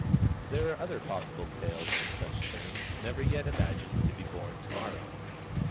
There are other possible tales on such terms, never yet imagined, to be born to morrow.